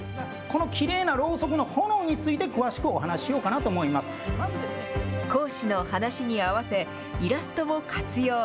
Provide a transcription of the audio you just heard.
このきれいなろうそくの炎について、詳しくお話ししようかな講師の話に合わせ、イラストも活用。